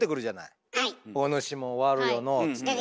「おぬしも悪よのう」っつって。